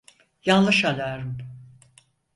Yanlış alarm…